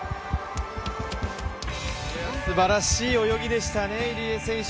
すばらしい泳ぎでしたね、入江選手。